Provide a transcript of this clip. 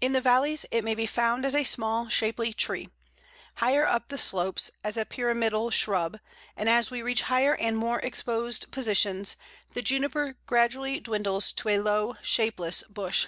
In the valleys it may be found as a small shapely tree, higher up the slopes as a pyramidal shrub, and as we reach higher and more exposed positions, the Juniper gradually dwindles to a low, shapeless bush.